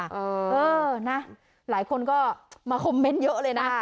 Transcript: เออนะหลายคนก็มาคอมเมนต์เยอะเลยนะ